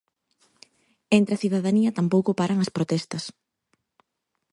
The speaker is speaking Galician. Entre a cidadanía tampouco paran as protestas.